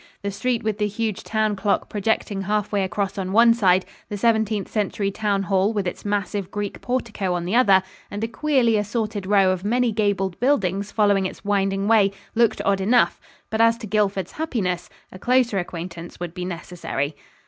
The street with the huge town clock projecting half way across on one side, the Seventeenth Century Town Hall with its massive Greek portico on the other, and a queerly assorted row of many gabled buildings following its winding way, looked odd enough, but as to Guildford's happiness, a closer acquaintance would be necessary.